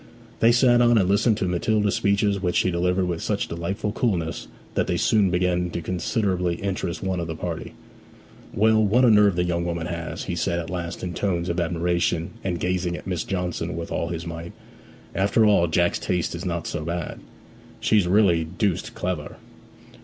They sat on, and listened to Matilda's speeches which she delivered with such delightful coolness that they soon began to considerably interest one of the party. 'Well, what a nerve the young woman has!' he said at last in tones of admiration, and gazing at Miss Johnson with all his might. 'After all, Jack's taste is not so bad. She's really deuced clever.'